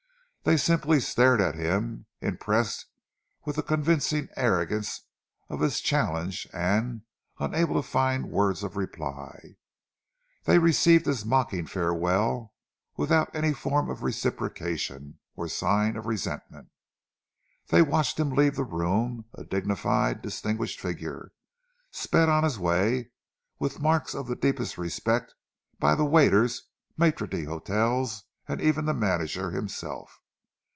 They simply stared at him, impressed with the convincing arrogance of his challenge and unable to find words of reply. They received his mocking farewell without any form of reciprocation or sign of resentment. They watched him leave the room, a dignified, distinguished figure, sped on his way with marks of the deepest respect by waiters, maitres d'hotels and even the manager himself.